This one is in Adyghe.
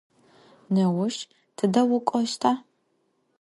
Nêuş tıde vuk'oşta?